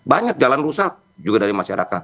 banyak jalan rusak juga dari masyarakat